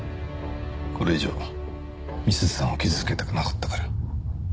これ以上美鈴さんを傷つけたくなかったから。